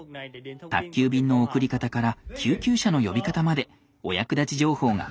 宅急便の送り方から救急車の呼び方までお役立ち情報が満載です。